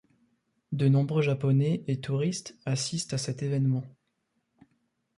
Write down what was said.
De nombreux Japonais et touristes assistent à cet événement.